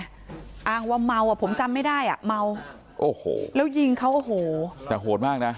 อ้างว่าเมาอ่ะผมจำไม่ได้อ่ะเมาโอ้โหแล้วยิงเขาโอ้โหแต่โหดมากน่ะ